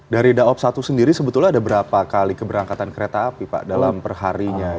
dari daob satu sendiri sebetulnya ada berapa kali keberangkatan kereta api pak dalam perharinya